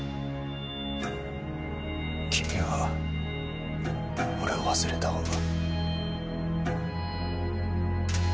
君は俺を忘れた方が。